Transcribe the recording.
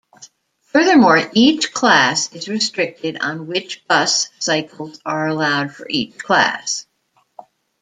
Furthermore, each class is restricted on which bus cycles are allowed for each class.